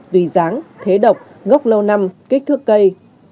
tùy dáng thế độc gốc lâu năm kích thước cây